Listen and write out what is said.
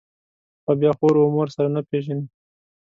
او بيا خور و مور سره نه پېژني.